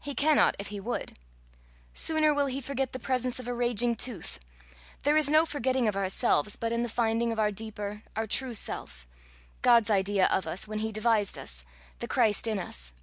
He cannot if he would. Sooner will he forget the presence of a raging tooth. There is no forgetting of ourselves but in the finding of our deeper, our true self God's idea of us when he devised us the Christ in us.